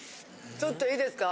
ちょっといいですか？